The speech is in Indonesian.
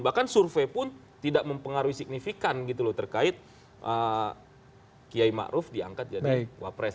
bahkan survei pun tidak mempengaruhi signifikan gitu loh terkait kiai ma'ruf diangkat jadi wapres